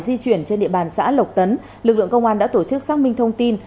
di chuyển trên địa bàn xã lộc tấn lực lượng công an đã tổ chức xác minh thông tin